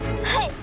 はい。